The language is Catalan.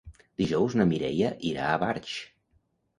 Dijous na Mireia irà a Barx.